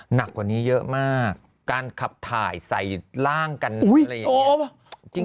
หนักกว่านี้เยอะมากการขับถ่ายใส่ร่างกันอะไรอย่างนี้